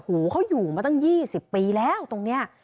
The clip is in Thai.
เขาอยู่มาตั้ง๒๐ปีแล้วตรงนี้